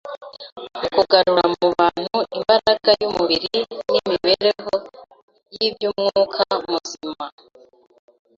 mu kugarura mu bantu imbaraga y’umubiri n’imibereho y’iby’umwuka mizima